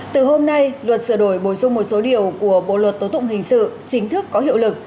từ hôm nay luật sửa đổi bổ sung một số điều của bộ luật tố tụng hình sự chính thức có hiệu lực